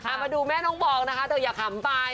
อะมาดูแม่น้องบอง่นะคะเถอะอย่าขามไป